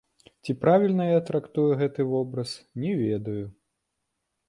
Ці правільна я трактую гэты вобраз, не ведаю.